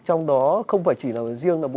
trong đó không phải chỉ là riêng là